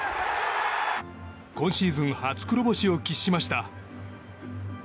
今シーズン初黒星を喫しました。